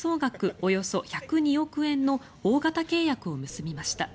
およそ１０２億円の大型契約を結びました。